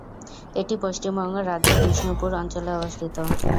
এটি পশ্চিমবঙ্গ রাজ্যের বিষ্ণুপুর অঞ্চলে অবস্থিত।